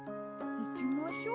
いきましょう。